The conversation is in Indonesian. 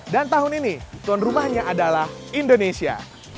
dan tahun ini tuan rumahnya adalah indonesia